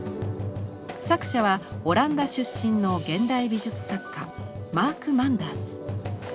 作者はオランダ出身の現代美術作家マーク・マンダース。